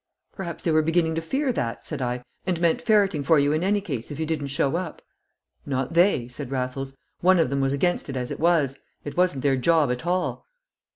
"Perhaps they were beginning to fear that," said I, "and meant ferreting for you in any case if you didn't show up." "Not they," said Raffles. "One of them was against it as it was; it wasn't their job at all."